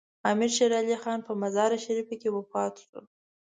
امیر شیر علي خان په مزار شریف کې وفات شو.